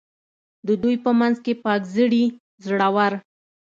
د دوی په منځ کې پاک زړي، زړه ور.